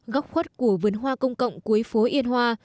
góc khuất của vườn hoa công cộng cuối phố yên hoa